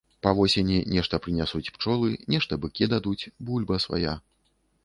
Па восені нешта прынясуць пчолы, нешта быкі дадуць, бульба свая.